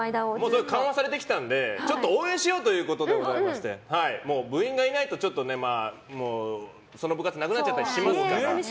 それも緩和されてきたので応援しようということで部員がいないと、その部活なくなっちゃったりしますから。